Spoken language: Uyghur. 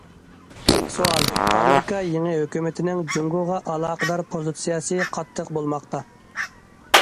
سوئال: ئامېرىكا يېڭى ھۆكۈمىتىنىڭ جۇڭگوغا ئالاقىدار پوزىتسىيەسى قاتتىق بولماقتا.